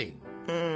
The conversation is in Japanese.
うん。